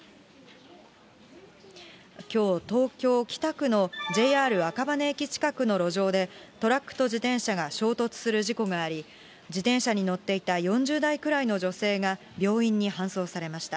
きょう、東京・北区のＪＲ赤羽駅近くの路上で、トラックと自転車が衝突する事故があり、自転車に乗っていた４０代くらいの女性が病院に搬送されました。